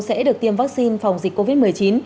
sẽ được tiêm vaccine phòng dịch covid một mươi chín